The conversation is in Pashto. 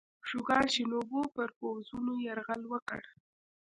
شوګان شینوبو پر پوځونو یرغل وکړ.